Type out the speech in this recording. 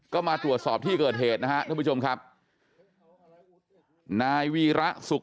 ก็มาตรวจสอบที่เกิดเหตุนะฮะท่านผู้ชมครับนายวีระสุข